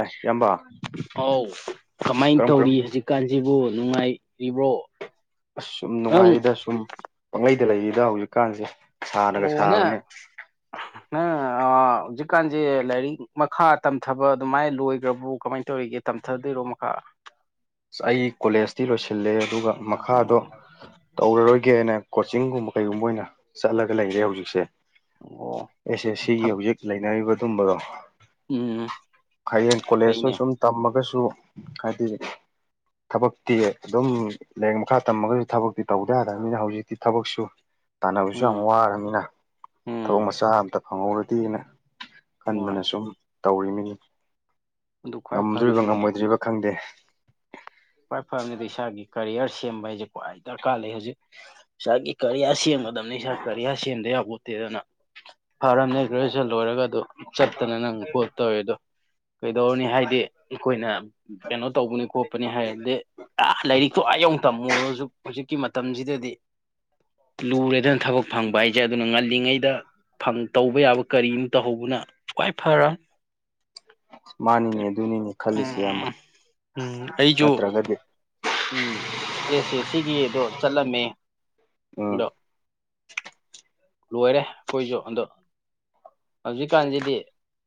ꯑꯦ ꯏꯌꯥꯝꯕ ꯑꯥꯎ ꯑꯁ ꯀꯃꯥꯏ ꯀꯔꯝ ꯀꯔꯝ ꯇꯧꯔꯤ ꯍꯧꯖꯤꯛ ꯀꯥꯟꯁꯤꯕꯨ ꯅꯨꯡꯉꯥꯏꯔꯤꯕ꯭ꯔꯣ ꯑꯁ ꯁꯨꯝ ꯑꯪ ꯅꯨꯡꯉꯥꯏꯔꯤꯗ ꯁꯨꯝ ꯄꯥꯡꯂꯩꯗ ꯂꯩꯔꯤꯗ ꯍꯧꯖꯤꯛꯀꯥꯟꯁꯦ ꯁꯥꯅꯒ ꯑꯣꯅ ꯁꯥꯕꯅꯦ ꯅꯪ ꯍꯧꯖꯤꯛꯀꯥꯟꯁꯦ ꯂꯥꯏꯔꯤꯛ ꯃꯈꯥ ꯇꯝꯊꯕ ꯑꯗꯨꯃꯥꯏꯅ ꯂꯣꯏꯈ꯭ꯔꯕꯨ ꯀꯃꯥꯏꯅ ꯇꯧꯔꯤꯒꯦ ꯇꯝꯊꯗꯣꯏꯔꯣ ꯃꯈꯥ ꯑ ꯑꯩ ꯀꯣꯂꯦꯖꯇꯤ ꯂꯣꯏꯁꯤꯜꯂꯦ ꯑꯗꯨꯒ ꯃꯈꯥꯗꯣ ꯇꯧꯔꯔꯣꯏꯒꯦꯅ ꯀꯣꯆꯤꯡꯒꯨꯝꯕ ꯀꯩꯒꯨꯝꯕ ꯑꯣꯏꯅ ꯆꯠꯂꯒ ꯂꯩꯔꯦ ꯍꯧꯖꯤꯛꯁꯦ ꯑꯣ ꯑꯦꯁ ꯑꯦꯁ ꯁꯤꯒꯤ ꯍꯧꯖꯤꯛ ꯂꯩꯅꯔꯤꯕ ꯑꯗꯨꯒꯨꯝꯕꯗꯣ ꯎꯝ ꯍꯌꯦꯡ ꯀꯣꯂꯦꯖꯁꯨ ꯐꯩꯅꯦ ꯁꯨꯝ ꯇꯝꯃꯒꯁꯨ ꯍꯥꯏꯗꯤ ꯊꯕꯛꯇꯤ ꯑꯗꯨꯝ ꯂꯥꯏꯔꯤꯛ ꯃꯈꯥ ꯇꯝꯃꯒꯁꯨ ꯊꯕꯛꯇꯤ ꯇꯧꯗ ꯌꯥꯗꯕꯅꯤꯅ ꯍꯧꯖꯤꯛꯇꯤ ꯊꯕꯛꯁꯨ ꯇꯥꯟꯅꯕꯁꯨ ꯌꯥꯝ ꯎꯝ ꯋꯥꯔꯕꯅꯤꯅ ꯊꯕꯛ ꯎꯝ ꯃꯆꯥ ꯑꯃꯝꯇ ꯐꯪꯍꯧꯔꯗꯤꯦꯅ ꯍꯣꯏ ꯈꯟꯗꯅ ꯁꯨꯝ ꯇꯧꯔꯤꯃꯤꯅꯤ ꯑꯗꯨ ꯈ꯭ꯋꯥꯏ ꯉꯝꯗ꯭ꯔꯤꯕ ꯐꯔꯕꯅꯦ ꯉꯝꯃꯣꯏꯗ꯭ꯔꯤꯕ ꯈꯪꯗꯦ ꯈ꯭ꯋꯥꯏ ꯐꯕꯅꯤ ꯑꯗꯨ ꯏꯁꯥꯒꯤ ꯀꯔꯤꯌꯔ ꯁꯦꯝꯕ ꯍꯥꯏꯁꯦ ꯈ꯭ꯋꯥꯏ ꯗꯔꯀꯥꯔ ꯂꯩ ꯍꯧꯖꯤꯛ ꯏꯁꯥꯒꯤ ꯀꯔꯤꯌꯔ ꯁꯦꯝꯕꯗ ꯐꯗꯝꯕꯅꯤ ꯏꯁꯥ ꯀꯔꯤꯌꯥꯔ ꯁꯦꯝꯗ ꯌꯥꯕ ꯈꯣꯠꯇꯦꯗꯅ ꯐꯔꯝꯅꯦ ꯒ꯭ꯔꯦꯖꯨꯌꯦꯦꯁꯟ ꯂꯣꯏꯔꯒ ꯑꯗꯨ ꯆꯠꯇꯅ ꯅꯪ ꯄꯣꯠꯇꯧꯋꯦꯗꯣ ꯀꯩꯗꯧꯔꯅꯤ ꯍꯥꯏꯗꯤ ꯑꯩꯈꯣꯏꯅ ꯀꯩꯅꯣ ꯇꯧꯕꯅꯤ ꯈꯣꯠꯄꯅꯤ ꯍꯥꯏ ꯑ ꯂꯥꯏꯔꯤꯛꯇꯣ ꯑ ꯌꯧꯛ ꯇꯝꯃꯨꯔꯣꯁꯨ ꯍꯧꯖꯤꯛꯀꯤ ꯃꯇꯝꯁꯤꯗꯗꯤ ꯂꯨꯔꯦꯗꯅ ꯊꯕꯛ ꯐꯪꯕ ꯍꯥꯏꯁꯦ ꯑꯗꯨꯅ ꯉꯜꯂꯤꯉꯩꯗ ꯇꯧꯕ ꯌꯥꯕ ꯀꯔꯤꯝ ꯇꯧꯍꯧꯕꯅ ꯈ꯭ꯋꯥꯏ ꯐꯔꯃꯤ ꯃꯥꯅꯤꯅꯦ ꯑꯗꯨꯅꯤꯅꯦ ꯈꯜꯂꯤꯁꯦ ꯏꯌꯥꯝꯕ ꯎꯝ ꯎꯝ ꯑꯩꯁꯨ ꯅꯠꯇ꯭ꯔꯒꯗꯤ ꯎꯝ ꯑꯦꯁ ꯑꯦꯁ ꯁꯤꯒꯤꯗꯣ ꯆꯠꯂꯝꯃꯦ ꯎꯝ ꯑꯗꯣ ꯂꯣꯏꯔꯦ ꯑꯩꯈꯣꯏꯁꯨ ꯑꯗꯣ ꯍꯧꯖꯤꯛꯀꯥꯟꯁꯤꯗꯤ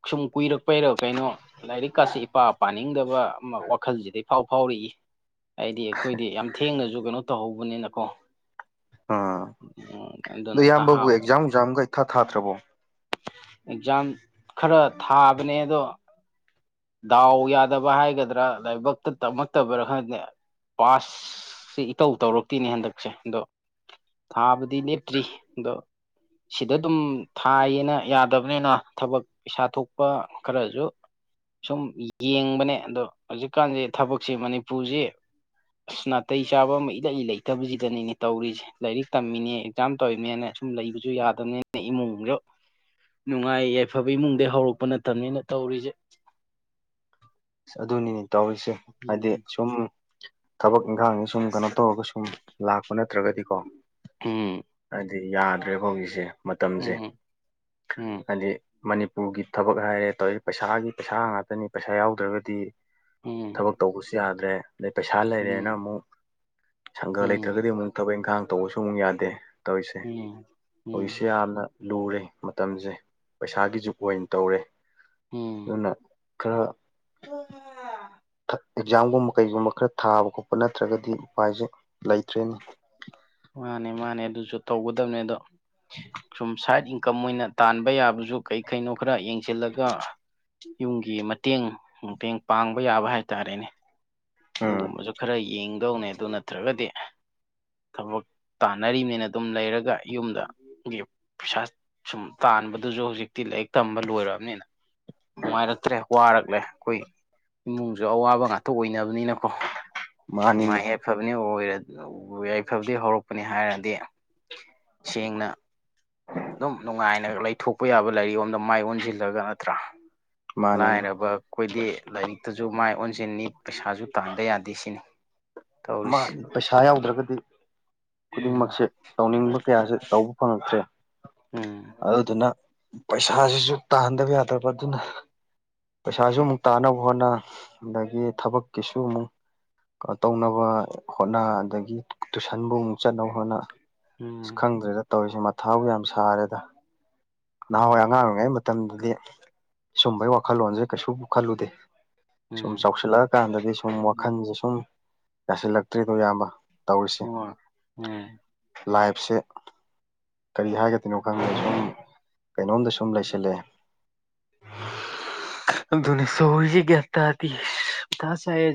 ꯁꯨꯝ ꯀꯨꯏꯔꯛꯄꯩꯔ ꯀꯩꯅꯣ ꯂꯥꯏꯔꯤꯛꯀꯁꯦ ꯏꯄꯥ ꯄꯥꯅꯤꯡꯗꯕ ꯑꯃ ꯋꯥ ꯈꯜꯁꯤꯗ ꯏꯐꯥꯎ ꯐꯥꯎꯔꯤꯌꯦ ꯍꯥꯏꯗꯤ ꯑꯩꯈꯣꯏꯗꯤ ꯌꯥꯝ ꯊꯦꯡꯅꯁꯨ ꯀꯩꯅꯣ ꯇꯧꯍꯧꯕꯅꯤꯅꯀꯣ ꯑꯥ ꯎꯝ ꯑꯗꯨꯅ ꯅꯍꯥ ꯑꯣꯏꯅ ꯄꯔꯤꯈꯌ ꯏꯊꯥ ꯊꯥꯗ꯭ꯔꯕꯣ ꯑꯦꯛꯖꯥꯝ ꯈꯔ ꯊꯥꯕꯅꯦ ꯑꯗꯣ ꯗꯥꯎ ꯌꯥꯗꯕ ꯍꯥꯏꯒꯗ꯭ꯔꯥ ꯂꯥꯏꯕꯛꯇ ꯇꯝꯃꯛꯇꯕꯔ ꯈꯪꯗꯦ ꯄꯥꯁ ꯁꯤ ꯏꯇꯧ ꯇꯧꯔꯛꯇꯦꯅꯦ ꯍꯟꯗꯛꯁꯦ ꯑꯗꯣ ꯊꯥꯕꯗꯤ ꯂꯦꯞꯇ꯭ꯔꯤ ꯑꯗꯣ ꯁꯤꯗ ꯑꯗꯨꯝ ꯊꯥꯏꯌꯦꯅ ꯌꯥꯗꯕꯅꯤꯅ ꯊꯕꯛ ꯄꯩꯥꯁꯥ ꯊꯣꯛꯄ ꯈꯔꯁꯨ ꯁꯨꯝ ꯌꯦꯡꯕꯅꯦ ꯑꯗꯣ ꯍꯧꯖꯤꯛꯀꯥꯟꯁꯦ ꯊꯕꯛꯁꯦ ꯃꯅꯤꯄꯨꯔꯁꯤ ꯑꯁ ꯅꯥꯇꯩ ꯆꯥꯕ ꯑꯃ ꯏꯂꯩ ꯂꯩꯇꯕꯁꯤꯗꯅꯤꯅꯦ ꯇꯧꯔꯤꯁꯦ ꯂꯥꯏꯔꯤꯛ ꯇꯝꯃꯤꯅꯦ ꯑꯦꯛꯖꯥꯝ ꯇꯧꯔꯤꯅꯦꯅ ꯁꯨꯝ ꯂꯩꯕꯁꯨ ꯌꯥꯗꯕꯅꯤꯅ ꯏꯃꯨꯡꯁꯨ ꯅꯨꯡꯉꯥꯏ ꯌꯥꯏꯐꯕ ꯏꯃꯨꯡꯗꯩ ꯍꯧꯔꯛꯄ ꯅꯠꯇꯕꯅꯤꯅ ꯇꯧꯔꯤꯁꯦ ꯑꯗꯨꯅꯤꯅꯦ ꯇꯧꯔꯤꯁꯦ ꯍꯥꯏꯗꯤ ꯎꯝ ꯁꯨꯝ ꯊꯕꯛ ꯏꯪꯈꯥꯡꯒꯤ ꯁꯨꯝ ꯀꯩꯅꯣ ꯇꯧꯔꯒ ꯁꯨꯝ ꯂꯥꯛꯄ ꯅꯠꯇ꯭ꯔꯒꯗꯤꯀꯣ ꯎꯝ ꯍꯥꯏꯗꯤ ꯌꯥꯗ꯭ꯔꯦꯕ ꯍꯧꯖꯤꯛꯁꯦ ꯃꯇꯝꯁꯦ ꯎꯝ ꯎꯝ ꯍꯥꯏꯗꯤ ꯃꯅꯤꯄꯨꯔꯒꯤ ꯊꯕꯛ ꯍꯥꯏꯔꯦ ꯇꯧꯋꯤ ꯄꯩꯁꯥꯒꯤ ꯄꯩꯁꯥ ꯉꯥꯛꯇꯅꯤ ꯄꯩꯁꯥ ꯌꯥꯎꯗ꯭ꯔꯒꯗꯤ ꯎꯝ ꯊꯕꯛ ꯇꯧꯕꯁꯨ ꯌꯥꯗ꯭ꯔꯦ ꯑꯗꯩ ꯄꯩꯁꯥ ꯂꯩꯔꯦꯅ ꯎꯝ ꯑꯃꯨꯛ ꯁꯪꯒ ꯎꯝ ꯂꯩꯇ꯭ꯔꯒꯗꯤ ꯑꯃꯨꯛ ꯊꯕꯛ ꯏꯪꯈꯥꯡ ꯇꯧꯕꯁꯨ ꯑꯃꯨꯛ ꯌꯥꯗꯦ ꯇꯧꯔꯤꯁꯦ ꯎꯝ ꯎꯝ ꯍꯧꯖꯤꯛꯁꯦ ꯌꯥꯝꯅ ꯂꯨꯔꯦ ꯃꯇꯝꯁꯦ ꯄꯩꯁꯥꯒꯤ ꯖꯨꯛ ꯑꯣꯏꯅ ꯇꯧꯔꯦ ꯑꯗꯨꯅ ꯈꯔ ꯎꯝꯝ ꯑꯦꯛꯖꯥꯝꯒꯨꯝꯕ ꯀꯩꯒꯨꯝꯕ ꯈꯔ ꯊꯥꯕ ꯈꯣꯠꯄ ꯅꯠꯇ꯭ꯔꯒꯗꯤ ꯎꯄꯥꯏꯁꯦ ꯂꯩꯇ꯭ꯔꯦꯅꯦ ꯃꯥꯅꯦ ꯃꯥꯅꯦ ꯑꯗꯨꯁꯨ ꯇꯧꯒꯗꯕꯅꯦ ꯑꯗꯣ ꯁꯨꯝ ꯁꯥꯏꯠ ꯏꯟꯀꯝ ꯑꯣꯏꯅ ꯇꯥꯟꯕ ꯌꯥꯕꯁꯨ ꯀꯔꯤ ꯀꯩꯅꯣ ꯈꯔ ꯌꯦꯡꯁꯤꯜꯂꯒ ꯌꯨꯝꯒꯤ ꯃꯇꯦꯡ ꯃꯇꯦꯡ ꯄꯥꯡꯕ ꯌꯥꯕ ꯍꯥꯏꯇꯥꯔꯦꯅꯦ ꯎꯝ ꯑꯗꯨꯒꯨꯝꯕꯁꯨ ꯈꯔ ꯌꯦꯡꯗꯧꯅꯦ ꯑꯗꯨ ꯅꯠꯇ꯭ꯔꯒꯗꯤ ꯊꯕꯛ ꯇꯥꯟꯅꯔꯤꯕꯅꯤꯅ ꯑꯗꯨꯝ ꯂꯩꯔꯒ ꯌꯨꯝ ꯄꯩꯁꯥ ꯁꯨꯝ ꯇꯥꯟꯕꯗꯨꯁꯨ ꯍꯧꯖꯤꯛꯇꯤ ꯂꯥꯏꯔꯤꯛ ꯇꯝꯕ ꯂꯣꯏꯔꯕꯑꯕꯅꯤꯅ ꯅꯨꯡꯉꯥꯏꯔꯛꯇ꯭ꯔꯦ ꯋꯥꯔꯛꯂꯦ ꯑꯩꯈꯣꯏ ꯏꯃꯨꯡꯁꯨ ꯑꯋꯥꯕ ꯉꯥꯛꯇ ꯑꯣꯏꯅꯕꯅꯤ ꯅꯤꯅ ꯀꯣ ꯃꯥꯅꯤꯅꯤ ꯅꯨꯉꯥꯏ ꯌꯥꯏꯐ ꯌꯥꯏꯐꯕꯅꯤ ꯑꯣꯏꯔ ꯌꯥꯏꯐꯕꯗꯩ ꯍꯧꯔꯛꯄꯅꯤ ꯍꯥꯏꯔꯗꯤ ꯁꯦꯡꯅ ꯑꯗꯨꯝ ꯅꯨꯡꯉꯥꯏꯅ ꯂꯩꯊꯣꯛꯄ ꯌꯥꯕ ꯂꯥꯏꯔꯤꯛ ꯂꯣꯝꯗ ꯃꯥꯏ ꯑꯣꯟꯁꯤꯜꯂꯒ ꯅꯠꯇ꯭ꯔꯥ ꯃꯥꯅꯤꯅꯤ ꯂꯥꯏꯔꯕ ꯑꯩꯈꯣꯏꯗꯤ ꯂꯥꯏꯔꯤꯛ ꯇꯖꯨ ꯃꯥꯏ ꯑꯣꯟꯁꯤꯟꯅꯤ ꯄꯩꯁꯥꯁꯨ ꯇꯥꯟꯗ ꯌꯥꯗꯦ ꯁꯤꯅꯤ ꯇꯧꯔꯤꯁꯦ ꯃꯥꯅꯤ ꯄꯩꯁꯥ ꯌꯥꯎꯗ꯭ꯔꯒꯗꯤ ꯎꯝ ꯈꯨꯗꯤꯡꯃꯛꯁꯦ ꯇꯧꯅꯤꯡꯕ ꯀꯌꯥꯁꯦ ꯇꯧꯕ ꯐꯪꯉꯛꯇ꯭ꯔꯦ ꯎꯝ ꯑꯗꯨꯗꯨꯅ ꯄꯩꯁꯥꯁꯤꯁꯨ ꯇꯥꯟꯗꯕ ꯌꯥꯗꯕ ꯑꯗꯨꯅ ꯄꯩꯁꯥꯁꯨ ꯑꯃꯨꯛ ꯇꯥꯅꯕ ꯍꯣꯠꯅ ꯑꯗꯒꯤ ꯊꯕꯛꯀꯤꯁꯨ ꯑꯃꯨꯛ ꯇꯧꯅꯕ ꯍꯣꯠꯅ ꯑꯗꯒꯤ ꯇꯨꯏꯁꯟꯕꯨ ꯑꯃꯨꯛ ꯆꯠꯅꯕ ꯍꯣꯠꯅ ꯑꯁ ꯎꯝ ꯈꯪꯗ꯭ꯔꯦꯗ ꯇꯧꯔꯤꯁꯦ ꯃꯊꯥꯕꯨ ꯌꯥꯝ ꯁꯥꯔꯦꯗ ꯅꯍꯥꯟꯋꯥꯏ ꯍꯣꯏ ꯑꯉꯥꯡ ꯑꯣꯏꯔꯤꯉꯩ ꯃꯇꯝꯗꯗꯤ ꯁꯨꯝꯕꯒꯤ ꯋꯥꯈꯜꯂꯣꯟꯁꯦ ꯀꯩꯁꯨ ꯈꯜꯂꯨꯗꯦ ꯁꯨꯝ ꯎꯝ ꯆꯥꯎꯁꯤꯜꯂꯛꯑꯀꯥꯟꯗꯗꯤ ꯁꯨꯝ ꯋꯥꯈꯜꯁꯦ ꯁꯨꯝ ꯌꯥꯁꯤꯜꯂꯛꯇ꯭ꯔꯤꯗꯣ ꯏꯌꯥꯝꯕ ꯇꯧꯔꯤꯁꯦ ꯍꯣꯏ ꯎꯝ ꯂꯥꯏꯐꯁꯦ ꯀꯔꯤ ꯍꯥꯏꯒꯗ ꯀꯩꯅꯣ ꯈꯪꯗꯦ ꯁꯨꯝ ꯀꯩꯅꯣꯝꯗ ꯁꯨꯝ ꯂꯩꯁꯤꯜꯂꯑꯦ ꯅꯤ ꯁꯔꯤ ꯌꯦ ꯊꯖꯤ ꯀ ꯌ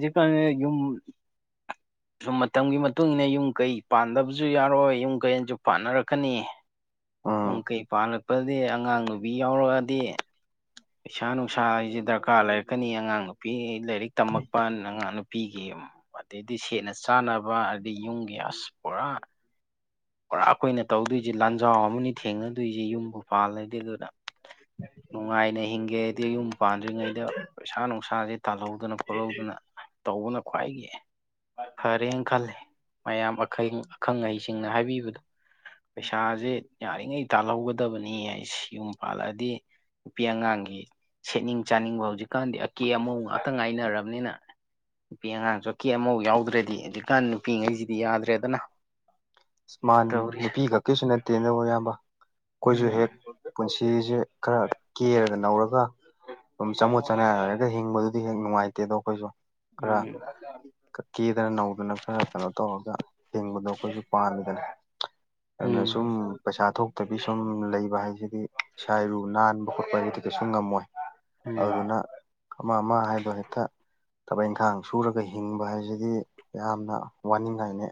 [inaudible] ꯁꯨꯝ ꯃꯇꯝꯒꯤ ꯃꯇꯨꯡ ꯏꯟꯅ ꯌꯨꯝ ꯀꯩ ꯄꯥꯟꯗꯕꯁꯨ ꯌꯥꯔꯣꯏ ꯌꯨꯝ ꯀꯩꯁꯨ ꯄꯥꯟꯅꯔꯛꯀꯅꯤ ꯄꯨꯡ ꯎꯝ ꯀꯩ ꯄꯥꯜꯂꯛꯄꯗꯤ ꯑꯉꯥꯡ ꯅꯨꯨꯕꯤ ꯌꯥꯎꯔꯛꯑꯗꯤ ꯄꯩꯁꯥ ꯅꯨꯡꯁꯥ ꯍꯥꯏꯁꯦ ꯗꯔꯀꯥꯔ ꯂꯩꯔꯛꯀꯅꯤ ꯑꯉꯥꯡ ꯅꯨꯄꯤ ꯂꯥꯏꯔꯤꯛ ꯇꯝꯃꯛꯄ ꯑꯉꯥꯡ ꯅꯨꯄꯤꯒꯤ ꯑꯗꯩꯗꯤ ꯁꯦꯠꯅ ꯆꯥꯅꯕ ꯑꯗꯤ ꯌꯨꯝꯒꯤ ꯑꯁ ꯄꯨꯔꯥ ꯄꯨꯔꯥꯈꯣꯏꯅ ꯇꯧꯗꯣꯏꯁꯤꯦ ꯂꯥꯟꯖꯥꯎ ꯑꯃꯅꯤ ꯊꯦꯡꯅꯗꯣꯏꯁꯤꯦ ꯌꯨꯝꯕꯨ ꯄꯥꯜꯂꯗꯤ ꯑꯗꯨꯅ ꯅꯨꯡꯉꯥꯏꯅ ꯍꯤꯡꯒꯦ ꯍꯥꯏꯗꯤ ꯌꯨꯝ ꯄꯥꯟꯗ꯭ꯔꯤꯉꯩꯗ ꯄꯩꯁꯥ ꯅꯨꯡꯁꯥꯁꯦ ꯇꯥꯜꯍꯧꯗꯅ ꯈꯣꯠꯍꯧꯗꯅ ꯇꯧꯕꯅ ꯈ꯭ꯋꯥꯏꯒꯤ ꯐꯔꯦꯅ ꯈꯂꯦ ꯃꯌꯥꯝ ꯑꯈꯪ ꯑꯈꯪ ꯑꯍꯩꯁꯤꯡꯅ ꯍꯥꯏꯕꯤꯌꯨ ꯄꯩꯁꯥꯁꯦ ꯌꯥꯔꯤꯉꯩ ꯇꯥꯜꯍꯧꯒꯗꯕꯅꯤ ꯍꯥꯏ ꯁꯤ ꯌꯨꯝ ꯄꯥꯜꯂꯛꯑꯗꯤ ꯅꯨꯄꯤ ꯑꯉꯥꯡꯒꯤ ꯁꯦꯠꯅꯤꯡ ꯆꯥꯅꯤꯡꯕ ꯍꯧꯖꯤꯛꯀꯥꯟꯗꯤ ꯀꯦ ꯑꯃꯨꯛ ꯉꯥꯛꯇꯪ ꯉꯥꯏꯅꯔꯕꯅꯤꯅ ꯅꯨꯄꯤ ꯑꯉꯥꯡꯁꯨꯀꯤꯦ ꯑꯃꯐꯥꯎ ꯌꯥꯎꯗ꯭ꯔꯗꯤ ꯍꯧꯖꯤꯛꯀꯥꯟ ꯅꯨꯄꯤꯉꯩꯁꯤꯗꯤ ꯌꯥꯗ꯭ꯔꯦꯗꯅ ꯃꯥꯥꯟ ꯇꯧꯔꯤꯁꯦ ꯅꯨꯄꯤ ꯈꯛꯀꯤꯁꯨ ꯅꯠꯇꯦ ꯑꯗꯨꯕꯨ ꯑꯌꯥꯝꯕ ꯑꯩꯈꯣꯏꯁꯨ ꯎꯝ ꯍꯦꯛ ꯄꯨꯟꯁꯤꯁꯦ ꯈꯔ ꯀꯦꯔꯒ ꯅꯧꯔꯒ ꯑꯗꯨꯝ ꯆꯃꯣꯠ ꯆꯅꯥ ꯂꯩꯔꯒ ꯍꯤꯡꯕꯗꯨꯗꯤ ꯍꯦꯛ ꯅꯨꯡꯉꯥꯏꯇꯦ ꯑꯗꯣ ꯑꯩꯈꯣꯏꯁꯨ ꯈꯔ ꯎꯝ ꯀ ꯀꯦꯗꯅ ꯅꯧꯗꯅ ꯈꯔ ꯀꯩꯅꯣ ꯇꯧꯔꯒ ꯍꯤꯡꯕꯗꯣ ꯑꯩꯈꯣꯏꯁꯨ ꯑꯗꯨꯅ ꯑꯗꯨꯅ ꯁꯨꯝ ꯎꯝ ꯄꯩꯁꯥ ꯊꯣꯛꯇꯕꯤ ꯁꯨꯝ ꯂꯩꯕ ꯍꯥꯏꯁꯤꯗꯤ ꯏꯁꯥ ꯏꯔꯨ ꯅꯥꯟꯕ ꯈꯣꯠꯄ ꯍꯥꯏꯗꯤꯗꯤ ꯀꯩꯁꯨ ꯉꯝꯃꯣꯏ ꯎꯝ ꯑꯗꯨꯅ ꯑꯃ ꯑꯃ ꯍꯥꯏꯗꯣ ꯍꯦꯛꯇ ꯊꯕꯛ ꯏꯪꯈꯥꯡ ꯁꯨꯔꯒ ꯍꯤꯡꯕ ꯍꯥꯏꯁꯤꯗꯤ ꯌꯥꯝꯅ ꯋꯥꯅꯤꯡꯉꯥꯏꯅꯤ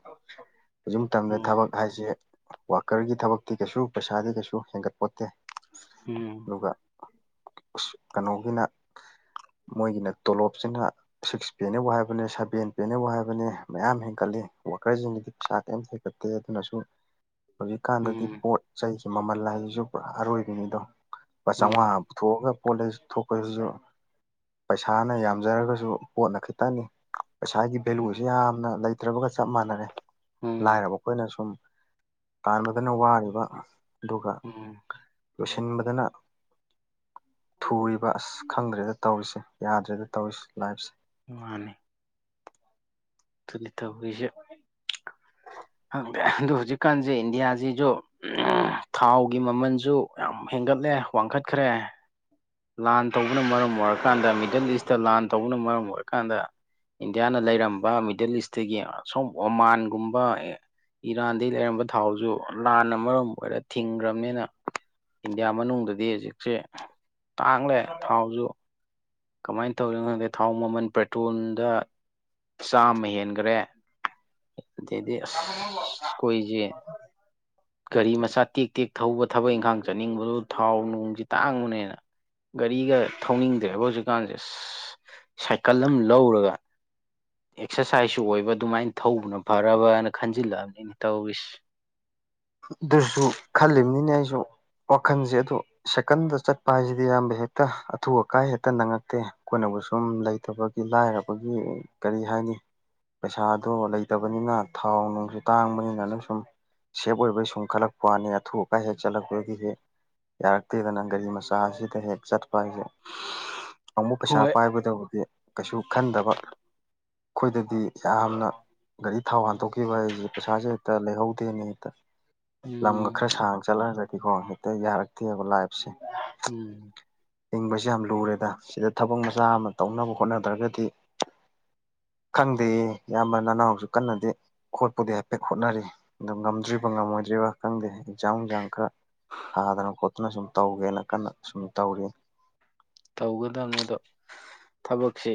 ꯍꯧꯖꯤꯛ ꯇꯝꯂ ꯎꯝ ꯊꯕꯛ ꯍꯥꯏꯁꯦ ꯀꯨꯀꯔꯒꯤ ꯊꯕꯛꯇꯤ ꯀꯩꯁꯨ ꯄꯩꯁꯥꯗꯤ ꯀꯩꯁꯨ ꯍꯦꯟꯒꯠꯄꯣꯠꯇꯦ ꯎꯝ ꯑꯗꯨꯒ ꯑꯁ ꯀꯅꯣꯒꯤꯅ ꯃꯣꯏꯒꯤꯅ ꯇꯣꯂꯣꯞꯁꯤꯅ ꯁꯤꯛꯁ ꯄꯦꯅꯦꯕꯨ ꯍꯥꯏꯕꯅꯦ ꯁꯚꯦꯟ ꯄꯦꯅꯦꯕꯨ ꯍꯥꯏꯕꯅꯦ ꯃꯌꯥꯝ ꯍꯦꯟꯒꯠꯂꯤ ꯋꯥꯀꯔꯖꯤꯡꯒꯤꯗꯤ ꯄꯩꯁꯥ ꯀꯩꯏꯝ ꯍꯦꯟꯒꯠꯇꯦ ꯑꯗꯨꯅꯁꯨ ꯍꯧꯖꯤꯛꯀꯥꯟꯗꯗꯤ ꯎꯝ ꯄꯣꯠ ꯆꯩꯒꯤ ꯃꯃꯜ ꯂꯥꯏꯖꯤꯖꯨ ꯄꯨꯔꯥ ꯑꯔꯣꯏꯕꯤꯅꯤꯗꯣ ꯂꯨꯄꯥ ꯆꯧꯉꯥ ꯎꯝ ꯄꯨꯊꯣꯛꯑꯒ ꯄꯣꯠ ꯂꯩ ꯊꯣꯛꯄꯗꯁꯨ ꯄꯩꯁꯥꯅ ꯌꯥꯝꯖꯔꯒꯖꯨ ꯄꯣꯠꯅ ꯈꯤꯇꯅꯤ ꯄꯩꯁꯥꯒꯤ ꯚꯦꯂꯨꯒꯁꯦ ꯌꯥꯝꯅ ꯂꯩꯇ꯭ꯔꯕꯒ ꯆꯞ ꯃꯥꯟꯅꯔꯦ ꯎꯝ ꯂꯥꯏꯔꯕ ꯑꯈꯣꯏꯅ ꯁꯨꯝ ꯇꯥꯟꯕꯗꯅ ꯋꯥꯔꯤꯕ ꯑꯗꯨꯒ ꯎꯝ ꯂꯣꯏꯁꯤꯟꯕꯗꯅ ꯊꯨꯔꯤꯕ ꯑꯁ ꯈꯪꯗ꯭ꯔꯦꯗ ꯇꯧꯔꯤꯁꯦ ꯌꯥꯗ꯭ꯔꯦꯗ ꯇꯧꯔꯤꯁꯤ ꯂꯥꯏꯐꯁꯦ ꯃꯥꯅꯦ ꯑꯗꯨꯅꯤ ꯇꯧꯔꯤꯁꯤ ꯈꯪꯗꯦ ꯑꯗꯨ ꯍꯧꯖꯤꯛꯀꯥꯟꯖꯦ ꯏꯟꯗꯤꯌꯥꯖꯤꯖꯨ ꯊꯥꯎꯒꯤ ꯃꯃꯜꯖꯨ ꯌꯥꯝ ꯍꯦꯟꯒꯠꯂꯦ ꯋꯥꯡꯈꯠꯈ꯭ꯔꯦ ꯂꯥꯟ ꯇꯧꯕꯅ ꯃꯔꯝ ꯑꯣꯏꯔꯀꯥꯟꯗ ꯃꯤꯗꯜ ꯏꯁꯇ ꯂꯥꯟ ꯇꯧꯕꯅ ꯃꯔꯝ ꯑꯣꯏꯔꯀꯥꯟꯗ ꯏꯟꯗꯤꯌꯥꯅ ꯂꯩꯔꯝꯕ ꯃꯤꯗꯜ ꯏꯁꯇꯒꯤ ꯑꯁꯣꯝ ꯑꯣꯃꯥꯟꯒꯨꯝꯕ ꯑꯦ ꯏꯔꯥꯟꯗꯩ ꯂꯩꯔꯝꯕ ꯊꯥꯎꯗꯨꯖꯨ ꯂꯥꯟꯅ ꯃꯔꯝ ꯑꯣꯏꯔꯒ ꯊꯤꯡꯒ꯭ꯔꯕꯅꯤꯅ ꯏꯟꯗꯤꯌꯥ ꯃꯅꯨꯡꯗꯗꯤ ꯍꯧꯖꯤꯛꯁꯦ ꯇꯥꯡꯂꯦ ꯊꯥꯎꯖꯨ ꯀꯃꯥꯏꯟ ꯇꯧꯔꯤꯅꯣ ꯈꯪꯗꯦ ꯊꯥꯎ ꯃꯃꯜ ꯄꯦꯇ꯭ꯔꯣꯜꯗ ꯆꯥꯝꯃ ꯍꯦꯟꯒꯔꯦ ꯑꯗꯩꯗꯤ ꯑꯁ ꯀꯣꯏꯖꯤ ꯒꯥꯔꯤ ꯃꯆꯥ ꯇꯦꯛ ꯇꯦꯛ ꯊꯧꯕ ꯊꯕꯛ ꯏꯪꯈꯥꯡ ꯆꯠꯅꯤꯡꯕꯗꯨ ꯊꯥꯎ ꯅꯨꯡꯁꯤ ꯇꯥꯡꯕꯅꯤꯅ ꯒꯥꯔꯤꯒ ꯊꯧꯅꯤꯡꯗ꯭ꯔꯦꯕ ꯍꯧꯖꯤꯛꯀꯥꯟꯖꯦ ꯑꯁ ꯁꯥꯏꯀꯜ ꯑꯃ ꯂꯧꯔꯒ ꯑꯦꯛꯁꯔꯁꯥꯏꯁꯁꯨ ꯑꯣꯏꯕ ꯑꯗꯨꯃꯥꯏꯅ ꯊꯧꯕꯅ ꯐꯔꯕꯅ ꯈꯟꯖꯤꯜꯂꯛꯑꯕꯅꯤꯅ ꯇꯧꯔꯤꯁꯦ ꯑꯗꯨꯁꯨ ꯈꯜꯂꯤꯝꯅꯤꯅꯦ ꯑꯩꯁꯨ ꯋꯥꯈꯟꯖꯦ ꯑꯗꯣ ꯁꯥꯏꯀꯟꯗ ꯆꯠꯄ ꯍꯥꯏꯁꯤꯗꯤ ꯏꯌꯥꯝꯕ ꯍꯦꯛꯇ ꯑꯊꯨ ꯑꯀꯥꯏ ꯍꯦꯛꯇ ꯅꯪꯉꯛꯇꯦ ꯑꯩꯈꯣꯏꯅꯕꯨ ꯁꯨꯝ ꯂꯩꯇꯕꯒꯤ ꯂꯥꯏꯔꯕꯒꯤ ꯀꯔꯤ ꯍꯥꯏꯅꯤ ꯄꯩꯁꯥꯗꯣ ꯂꯩꯇꯕꯅꯤꯅ ꯊꯥꯎ ꯅꯨꯡꯁꯨ ꯇꯥꯡꯕꯅꯤꯅ ꯑꯗꯨ ꯁꯨꯝ ꯁꯦꯞ ꯑꯣꯏꯕꯩ ꯁꯨꯝ ꯈꯜꯂꯛꯄ ꯋꯥꯅꯤ ꯑꯊꯨ ꯑꯀꯥꯏ ꯍꯦꯛ ꯆꯠꯂꯛꯄꯒꯤꯁꯦ ꯌꯥꯔꯛꯇꯦꯗꯅ ꯒꯥꯔꯤ ꯃꯆꯥ ꯑꯁꯤꯗ ꯍꯦꯛ ꯆꯠꯄ ꯍꯥꯏꯁꯦ ꯑꯃꯃꯨꯛ ꯄꯩꯁꯥ ꯍꯣꯏ ꯄꯥꯏꯕꯗꯕꯨꯗꯤ ꯀꯩꯁꯨ ꯈꯟꯗꯕ ꯑꯩꯈꯣꯏꯗꯗꯤ ꯌꯥꯝꯅ ꯒꯥꯔꯤ ꯊꯥꯎ ꯍꯥꯟꯇꯣꯛꯈꯤꯕ ꯍꯥꯏꯁꯦ ꯄꯩꯁꯥꯁꯦ ꯍꯦꯛꯇ ꯂꯩꯍꯧꯗꯦꯅꯦ ꯂꯝꯒ ꯎꯝ ꯈꯔ ꯁꯥꯡꯅ ꯆꯠꯂꯛꯑꯒꯗꯤꯀꯣ ꯍꯦꯛꯇ ꯌꯥꯔꯛꯇꯦꯕ ꯂꯥꯏꯐꯁꯦ ꯎꯝ ꯍꯤꯡꯕ ꯍꯥꯏꯁꯤ ꯌꯥꯝ ꯂꯨꯔꯦꯗ ꯁꯤꯗ ꯊꯕꯛ ꯃꯆꯥ ꯑꯃ ꯇꯧꯅꯕ ꯍꯣꯠꯅꯗ꯭ꯔꯒꯗꯤ ꯈꯪꯗꯦꯌꯦ ꯏꯌꯥꯝꯕ ꯅꯅꯥꯎꯁꯨ ꯀꯟꯅꯗꯤ ꯈꯣꯠꯄꯨꯗꯤ ꯍꯥꯏꯐꯦꯠ ꯍꯣꯠꯅꯔꯤ ꯑꯗꯣ ꯉꯝꯗ꯭ꯔꯤꯕ ꯉꯝꯃꯣꯏꯗ꯭ꯔꯤꯕ ꯈꯪꯗꯦ ꯑꯦꯛꯖꯥꯡ ꯅꯨꯡꯖꯥꯡ ꯈꯔ ꯊꯥꯗꯅ ꯈꯣꯠꯇꯅ ꯁꯨꯝ ꯇꯧꯒꯦꯅ ꯀꯟꯅ ꯁꯨꯝ ꯇꯧꯔꯤ ꯇꯧꯒꯗꯕꯅꯤ ꯑꯗꯣ ꯊꯕꯛꯁꯤ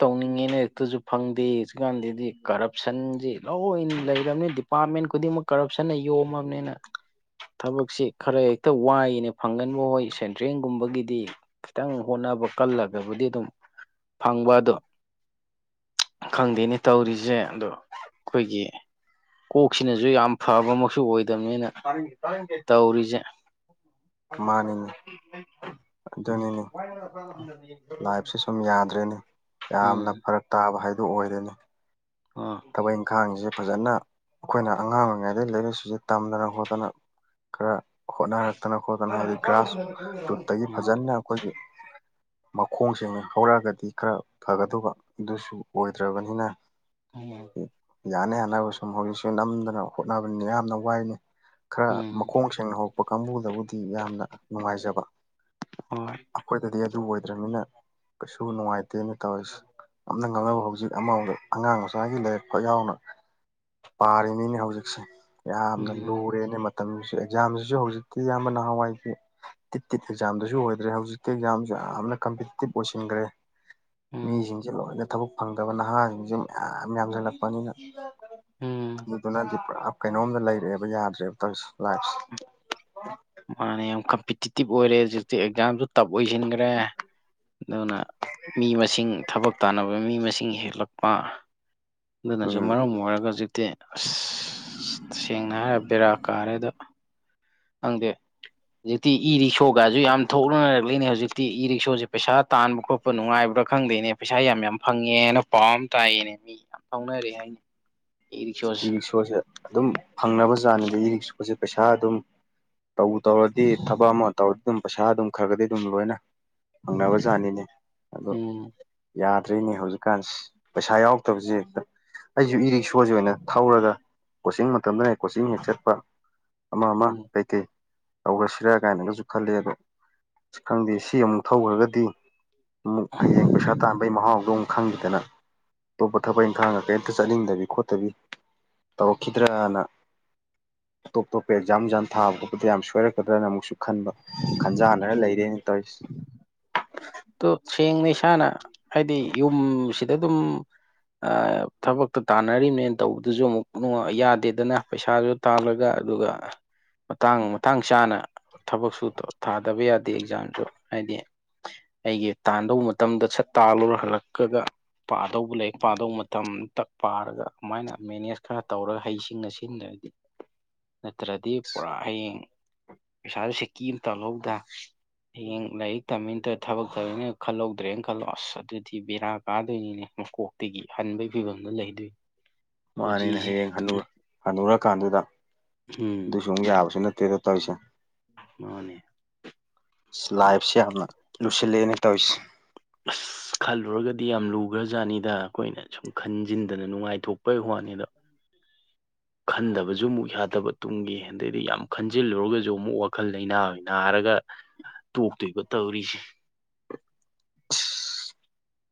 ꯇꯧꯅꯤꯡꯉꯦꯅ ꯍꯦꯛꯇꯁꯨ ꯐꯪꯗꯦ ꯍꯧꯖꯤꯛꯀꯥꯟꯗꯤꯗꯤ ꯀꯔꯞꯁꯟꯁꯤ ꯂꯣꯏꯅ ꯂꯩꯔꯕꯅꯤ ꯗꯤꯞ ꯄꯥꯔꯠꯃꯦꯟ ꯈꯨꯗꯤꯡꯃꯛ ꯀꯔꯞꯁꯟꯅ ꯌꯣꯝꯃꯕꯅꯤꯅ ꯊꯕꯛꯁꯤ ꯈꯔ ꯍꯦꯛꯇ ꯋꯥꯏꯅꯦ ꯐꯪꯒꯟꯕ ꯍꯣꯏ ꯁꯦꯟꯇ꯭ꯔꯦꯟꯒꯨꯝꯕꯒꯤꯗꯤ ꯈꯤꯇꯪ ꯍꯣꯠꯅꯕ ꯀꯜꯂꯒꯕꯨꯗꯤ ꯑꯗꯨꯝ ꯐꯪꯕ ꯑꯗꯣ ꯈꯪꯗꯦꯅꯦ ꯇꯧꯔꯤꯖꯦ ꯑꯗꯣ ꯑꯩꯈꯣꯏꯒꯤ ꯀꯣꯛꯁꯤꯅꯖꯨ ꯌꯥꯝ ꯐꯕ ꯃꯛꯁꯨ ꯑꯣꯏꯗꯕꯅꯤꯅ ꯇꯧꯔꯤꯖꯦ [inaudible] [unintelligible] ꯎꯝ ꯑꯗꯨꯅꯤꯅꯦ ꯂꯥꯏꯐꯁꯦ ꯁꯨꯝ ꯌꯥꯗ꯭ꯔꯦꯅꯦ ꯌꯥꯝꯅ ꯐꯔꯛ ꯇꯥꯕ ꯍꯥꯏꯗꯣ ꯑꯣꯏꯔꯦꯅꯤ ꯎꯝ ꯊꯕꯛ ꯏꯪꯈꯥꯡꯖꯤꯖꯨ ꯐꯖꯅ ꯑꯩꯜꯈꯣꯏꯅ ꯑꯉꯥꯡ ꯑꯣꯏꯔꯤꯉꯩꯗꯩ ꯂꯥꯏꯔꯤꯛ ꯂꯥꯏꯁꯨꯖꯤ ꯇꯝꯗꯅ ꯈꯣꯠꯇꯅ ꯈꯔ ꯍꯣꯠꯅꯔꯛꯇꯅ ꯈꯣꯠꯇꯅ ꯍꯥꯏꯗꯤ ꯒ꯭ꯔꯥꯁ ꯔꯨꯠꯇꯒꯤ ꯎꯝ ꯐꯖꯅ ꯑꯩꯈꯣꯏꯒꯤ ꯃꯈꯣꯡ ꯁꯦꯡꯅ ꯍꯧꯔꯛꯑꯒꯗꯤ ꯈꯔ ꯐꯒꯗꯕ ꯑꯗꯨꯁꯨ ꯑꯣꯏꯗ꯭ꯔꯕꯅꯤꯅ ꯍ ꯌꯥꯅ ꯌꯥꯅꯕ ꯁꯨꯝ ꯍꯧꯖꯤꯛꯁꯨ ꯅꯝꯗꯅ ꯍꯣꯠꯅꯕꯅꯤ ꯌꯥꯝꯅ ꯋꯥꯏꯅꯤ ꯈꯔ ꯎꯝ ꯃꯈꯣꯡ ꯊꯦꯡꯅ ꯍꯧꯔꯛꯄꯥ ꯀꯥꯡꯕꯨꯗꯕꯨꯗꯤ ꯌꯥꯝꯅ ꯅꯨꯡꯉꯥꯏꯖꯕ ꯑꯣꯏ ꯑꯩꯈꯣꯏꯗꯗꯤ ꯑꯗꯨ ꯑꯣꯏꯗ꯭ꯔꯅꯤꯅ ꯀꯩꯁꯨ ꯅꯨꯡꯉꯥꯏꯇꯦꯅ ꯇꯧꯔꯤꯁꯦ ꯉꯝꯅ ꯉꯝꯅꯕ ꯍꯧꯖꯤꯛ ꯑꯃꯃꯝꯗ ꯑꯉꯥꯡꯁꯨ ꯉꯥꯏꯒꯤ ꯂꯥꯏꯔꯤꯛ ꯐꯧ ꯌꯥꯎꯅ ꯄꯥꯔꯤꯅꯤꯅꯦ ꯍꯧꯖꯤꯛꯁꯦ ꯌꯥꯝꯅ ꯎꯝ ꯂꯨꯔꯦꯅꯦ ꯃꯇꯝꯁꯨ ꯑꯦꯛꯖꯥꯝꯁꯤꯁꯨ ꯍꯧꯖꯤꯛꯇꯤ ꯌꯥꯝꯅ ꯅꯍꯥꯟꯋꯥꯏꯗꯤ ꯇꯤꯠ ꯇꯤꯠ ꯑꯦꯛꯖꯥꯝꯗꯁꯨ ꯑꯣꯏꯗ꯭ꯔꯦ ꯍꯧꯖꯤꯛꯀꯤ ꯑꯦꯛꯖꯥꯝꯁꯨ ꯌꯥꯝꯅ ꯀꯝꯄꯤꯇꯤꯇꯤꯞ ꯑꯣꯏꯁꯤꯟꯈ꯭ꯔꯦ ꯎꯝ ꯃꯤꯁꯤꯡꯁꯦ ꯂꯣꯏꯅ ꯊꯕꯛ ꯐꯪꯗꯕ ꯅꯍꯥꯁꯤꯡꯁꯦ ꯃꯌꯥꯝ ꯌꯥꯝꯁꯤꯜꯂꯛꯄꯅꯤꯅ ꯎꯝ ꯃꯤꯗꯨꯅꯗꯤ ꯀꯩꯅꯣꯝꯗ ꯂꯩꯔꯛꯑꯦꯕ ꯌꯥꯗ꯭ꯔꯦꯕ ꯇꯧ ꯂꯥꯏꯐꯁꯦ ꯃꯥꯅ ꯌꯥꯝ ꯀꯝꯄꯤꯇꯤꯇꯤꯞ ꯑꯣꯏꯔꯦ ꯍꯧꯖꯤꯛꯇꯤ ꯑꯦꯛꯖꯥꯝꯁꯨ ꯇꯞ ꯑꯣꯏꯁꯤꯟꯈ꯭ꯔꯦ ꯑꯗꯨꯅ ꯃꯤ ꯃꯁꯤꯡ ꯊꯕꯛ ꯇꯥꯟꯅꯕ ꯃꯤ ꯃꯁꯤꯡ ꯍꯦꯜꯂꯛꯄ ꯑꯗꯨꯅꯁꯨ ꯎꯝ ꯃꯔꯝ ꯑꯣꯏꯔꯒ ꯍꯧꯖꯤꯛꯇꯤ ꯑꯁ ꯁꯦꯡꯅ ꯍꯥꯏꯔꯒ ꯕꯦꯔꯥ ꯀꯥꯔꯦꯗ ꯑꯪꯗꯦ ꯍꯧꯖꯤꯛꯇꯤ ꯏ ꯔꯤꯛꯁꯣꯒꯁꯨ ꯌꯥꯝ ꯊꯣꯛꯅꯅꯔꯛꯂꯅꯦ ꯍꯧꯖꯤꯛꯇꯤ ꯏ ꯔꯤꯛꯁꯣꯁꯦ ꯄꯩꯁꯥ ꯇꯥꯟꯕ ꯈꯣꯄ ꯅꯨꯡꯉꯥꯏꯕ꯭ꯔꯥ ꯈꯪꯗꯦꯅꯦ ꯄꯩꯁꯥ ꯌꯥꯝ ꯐꯪꯉꯦꯅ ꯄꯥꯎ ꯑꯃ ꯇꯥꯛꯏꯅꯦ ꯃꯤ ꯌꯥꯝ ꯐꯥꯎꯅꯔꯦ ꯍꯥꯏꯅꯤ ꯏ ꯔꯤꯛꯁꯣꯁꯦ ꯑꯗꯨꯝ ꯐꯪꯅꯕꯖꯥꯠꯅꯗꯤ ꯏ ꯔꯤꯛꯁꯣꯁꯦ ꯄꯩꯁꯥ ꯑꯗꯨꯝ ꯇꯧ ꯇꯧꯔꯗꯤ ꯊꯕꯛ ꯑꯃ ꯇꯧꯔꯗꯤ ꯑꯗꯨꯝ ꯄꯩꯁꯥ ꯑꯗꯨꯝ ꯈꯔꯒꯗꯤ ꯑꯗꯨꯝ ꯂꯣꯏꯅ ꯐꯪꯅꯕ ꯁꯥꯅꯤꯅꯦ ꯑꯣ ꯎꯝ ꯌꯥꯗ꯭ꯔꯔꯤꯅꯦ ꯍꯧꯖꯤꯛꯀꯥꯟꯁ ꯄꯩꯁꯥ ꯌꯥꯎꯗꯕꯁꯦ ꯑꯩꯁꯨ ꯏꯔꯤꯁꯨ ꯏꯁꯣꯁꯤ ꯑꯣꯏꯅ ꯊꯧꯔꯒ ꯀꯣꯆꯤꯡ ꯃꯇꯝꯗ ꯂꯩ ꯀꯣꯆꯤꯡ ꯍꯦꯛ ꯆꯠꯄ ꯑꯃ ꯑꯃ ꯎꯝ ꯀꯩꯇꯩꯩ ꯇꯧꯔꯁꯤꯔꯥ ꯀꯥꯏꯅꯒꯁꯨ ꯈꯜꯂꯤ ꯑꯗꯣ ꯁꯤ ꯈꯪꯗꯦ ꯁꯤ ꯑꯃꯨꯛ ꯊꯧꯈ꯭ꯔꯒꯗꯤ ꯑꯃꯨꯛ ꯍꯌꯦꯡ ꯄꯩꯁꯥ ꯇꯥꯟꯕꯩ ꯃꯍꯥꯎꯗꯣ ꯈꯪꯈꯤꯗꯅ ꯑꯇꯣꯞꯄ ꯊꯕꯛ ꯏꯪꯈꯥꯡꯅ ꯀꯔꯤꯝꯇ ꯆꯠꯅꯤꯡꯗꯕꯤ ꯈꯣꯠ ꯇꯧꯔꯛꯈꯤꯗ꯭ꯔꯅ ꯑꯣꯞꯇꯣꯞꯄ ꯑꯦꯛꯖꯥ ꯖ ꯊꯥ ꯈꯣꯠꯄ ꯌꯥꯝ ꯁꯣꯏꯔꯛꯀꯗ꯭ꯔꯅ ꯑꯃꯨꯛꯁꯨ ꯈꯟꯕ ꯈꯟꯖꯥꯟꯅꯔ ꯂꯩꯔꯦꯅ ꯇꯧꯔꯤꯁꯦ ꯑꯣ ꯁꯦꯡꯅ ꯏꯁꯥꯅ ꯍꯥꯏꯗꯤ ꯌꯨꯝꯁꯤꯗ ꯑꯗꯨꯝ ꯊꯕꯛꯇ ꯇꯥꯟꯅꯔꯤꯝꯅꯦꯅ ꯇꯧꯕꯗꯨꯁꯨ ꯑꯃꯨꯛ ꯌꯥꯗꯦꯗꯅ ꯄꯩꯁꯥꯁꯨ ꯇꯥꯜꯂꯒ ꯑꯗꯨꯒ ꯃꯇꯥꯡ ꯃꯇꯥꯡ ꯆꯥꯅ ꯊꯕꯛꯁꯨ ꯊꯥꯗꯕ ꯌꯥꯗꯦ ꯑꯦꯛꯖꯥꯝꯁꯨ ꯍꯥꯏꯗꯤ ꯑꯩꯒꯤ ꯇꯥꯟꯗꯧꯕ ꯃꯇꯝꯗ ꯁꯠ ꯇꯥꯜꯂꯨꯔ ꯍꯜꯂꯛꯀꯒ ꯄꯥꯗꯧꯕ ꯂꯩ ꯄꯥꯗꯧꯕ ꯃꯇꯝꯇ ꯄꯥꯔꯒ ꯑꯗꯨꯃꯥꯏꯅ ꯃꯦꯅꯦꯖ ꯈꯔ ꯇꯧꯔꯒ ꯍꯩꯁꯤꯡꯅ ꯁꯤꯡ ꯍꯥꯏꯗꯤ ꯅꯠꯇ꯭ꯔꯗꯤ ꯄꯨꯔꯥ ꯍꯌꯦꯡ ꯄꯩꯁꯥꯗ ꯁꯦꯀꯤ ꯑꯃꯇꯍꯧꯕꯗ ꯍꯌꯦꯡ ꯂꯥꯏꯔꯤꯛ ꯇꯝꯃꯤꯟꯅꯠꯇ ꯊꯕꯛ ꯇꯧꯔꯤꯅ ꯈꯜꯍꯧꯗ꯭ꯔꯦꯅ ꯈꯜꯂꯣ ꯑꯁ ꯑꯗꯨꯗꯤ ꯕꯦꯔꯥ ꯀꯥꯗꯣꯏꯅꯤꯅꯦ ꯃꯀꯣꯛ ꯇꯒꯤ ꯍꯟꯕꯒꯤ ꯐꯤꯕꯝꯗꯨꯣ ꯂꯩꯗꯣꯏꯏ [unintelligible] ꯃꯥꯅꯦꯅ ꯍꯌꯦꯡ ꯍ ꯍꯜꯂꯨꯔꯀꯥꯟꯗꯨꯗ ꯎꯝ ꯑꯗꯨꯁꯨ ꯑꯃꯨꯛ ꯌꯥꯕꯁꯨ ꯅꯠꯇꯦ ꯇꯁꯦ ꯃꯥꯅꯦ ꯑꯗꯣ ꯂꯥꯏꯐꯁꯤꯦ ꯌꯥꯝꯅ ꯂꯨꯁꯤꯜꯂꯛꯑꯦꯅ ꯇꯧꯔꯤꯁꯦ ꯑꯁ [unintelligible] ꯈꯜꯂꯨꯔꯒꯗꯤ ꯌꯥꯝ ꯂꯨꯈ꯭ꯔ ꯖꯥꯠꯅꯤꯗ ꯑꯩꯈꯣꯏꯅ ꯁꯨꯝ ꯈꯟꯖꯤꯟꯗꯅ ꯅꯨꯡꯉꯥꯏꯊꯣꯛꯄꯩ ꯋꯥꯅꯤꯗꯣ ꯦ ꯈꯟꯗꯕꯁꯨ ꯑꯃꯨꯛ ꯌꯥꯗꯕ ꯇꯨꯡꯒꯤ ꯑꯗꯩꯗꯤ ꯌꯥꯝ ꯈꯟꯖꯤꯜꯂꯨꯔꯒꯁꯨ ꯑꯃꯨꯛ ꯋꯥꯈꯜ ꯂꯩꯥꯏꯅꯥ ꯅꯥꯔꯒ ꯇꯣꯛꯇꯣꯏꯕ ꯇꯧꯔꯤꯁꯦ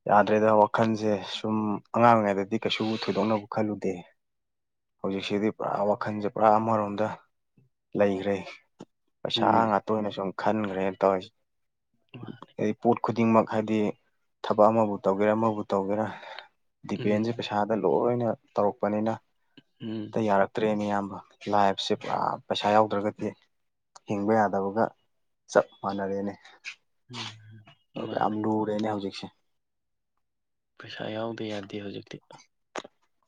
ꯌꯥꯗ꯭ꯔꯦꯗ ꯋꯥꯈꯜꯁꯦ ꯁꯨꯝ ꯑꯉꯥꯡ ꯑꯣꯏꯔꯤꯉꯩꯗꯗꯤ ꯀꯩꯁꯨ ꯊꯣꯏꯗꯣꯛꯅꯕ ꯈꯜꯂꯨꯗꯦ ꯍꯧꯖꯤꯛꯁꯤꯗꯤ ꯄꯨꯔꯥ ꯋꯥꯈꯟꯁꯦ ꯄꯨꯔꯥ ꯑꯃꯔꯣꯝꯗ ꯂꯩꯈ꯭ꯔꯦ ꯄꯩꯁꯥ ꯎꯝ ꯉꯇ ꯇꯣꯏꯅ ꯁꯨꯝ ꯈꯟꯈ꯭ꯔꯦꯅ ꯇꯧꯔꯤꯁꯦ ꯍꯥꯏꯗꯤ ꯄꯣꯠ ꯈꯨꯗꯤꯡꯃꯛ ꯍꯥꯏꯗꯤ ꯊꯕꯛ ꯑꯃꯕꯨ ꯇꯧꯒꯦꯔꯥ ꯑꯃꯕꯨ ꯇꯧꯒꯦꯔꯥ ꯗꯤꯄꯦꯟꯁꯦ ꯎꯝ ꯄꯩꯁꯥꯗ ꯂꯣꯏꯅ ꯇꯧꯔꯛꯄꯅꯤꯅ ꯑꯝ ꯎꯝ ꯇ ꯌꯥꯔꯛꯇ꯭ꯔꯦꯅꯦ ꯑꯌꯥꯝꯕ ꯂꯥꯏꯐꯁꯦ ꯄꯩꯁꯥ ꯌꯥꯎꯗ꯭ꯔꯒꯗꯤ ꯍꯤꯡꯕ ꯌꯥꯗꯕꯒ ꯆꯞ ꯃꯥꯟꯅꯔꯦꯅꯦ ꯎꯝ ꯑꯣ ꯃꯥꯅꯦ ꯑꯝꯗ ꯑꯦꯅꯦ ꯍꯧꯖꯤꯛꯁ ꯄꯩꯁꯥ ꯌꯥꯎꯗ ꯌꯥꯗꯦ ꯍꯧꯖꯤꯛꯇꯤ